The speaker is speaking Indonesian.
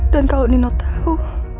dan kalau nino tahu